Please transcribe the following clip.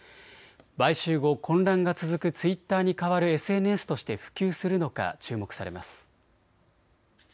買収後、混乱が続くツイッターに代わるＳＮＳとして普及するのか注目されます。